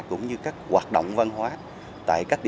cũng như các hoạt động văn hóa